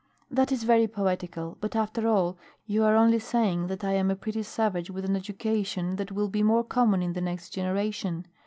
"That is very poetical, but after all, you are only saying that I am a pretty savage with an education that will be more common in the next generation.